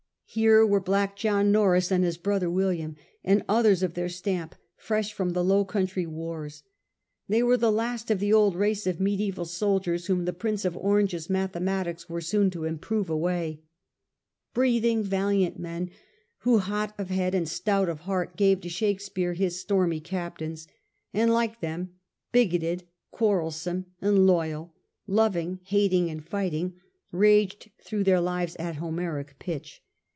Here were Black John Norreys and his brother William, and others of their stamp fresh from the Low Country wars. They were the last of the old race of medieval soldiers whom the Prince of Orange's mathematics were soon to improve away — "breathing valiant" men who, hot pf head and stout of heart, gave to Shakespeare his stormy captains, and like them bigoted, quarrelsome, and loyal, loving, hating, and fighting, raged through their lives at Homeric pitch.